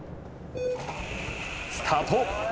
スタート。